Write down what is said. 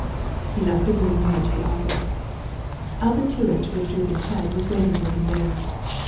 He left the room and went to the ofl&ce. Alpatuitch, with drooping head, was waiting for him there.